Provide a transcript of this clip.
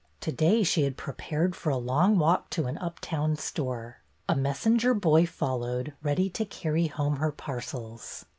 To day she had prepared for a long walk to an uptown store. A messenger boy followed, ready to carry home her parcels.